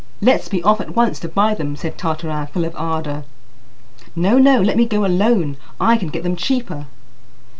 "Let's be off at once to buy them!" said Tartarin, full of ardour. "No, no! Let me go alone. I can get them cheaper."